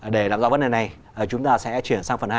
để đảm dọa vấn đề này chúng ta sẽ chuyển sang phần hai